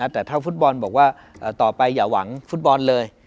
แต่ถ้าฟุตบอลบอกว่าต่อไปอย่าหวังฟุตบอลเลย